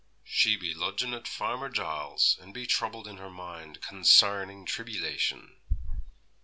'She be lodgin' at Farmer Giles's; and be troubled in her mind concarning tribbylation.'